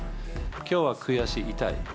きょうは悔しい、痛い。